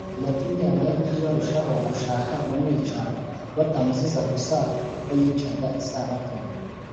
Yatumye abayahudi barushaho gushaka kumwica batamuziza gusa ko yicaga isabato